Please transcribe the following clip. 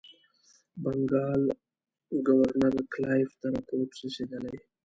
بنکال ګورنر کلایف ته رپوټ رسېدلی.